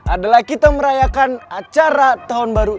adalah kita merayakan acara tahun baru